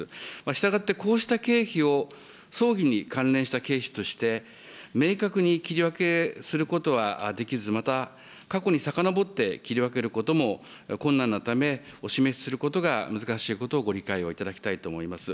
従って、こうした経費を葬儀に関連した経費として、明確に切り分けすることはできず、また過去にさかのぼって切り分けることも困難なため、お示しすることが難しいことをご理解をいただきたいと思います。